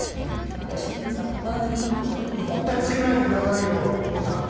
私にはサッパーリーもったいつけないでくださいよ公文さん